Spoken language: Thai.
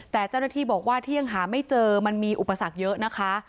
แต่เจ้าหน้าที่บอกว่าที่ยังหาไม่เจอมันมีอุปสรรคเยอะนะคะ